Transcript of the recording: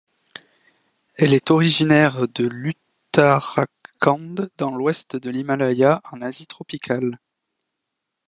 Elle est originaire de l'Uttarakhand, dans l'Ouest de l'Himalaya, en Asie tropicale.